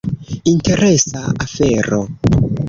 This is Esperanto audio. Interesa afero.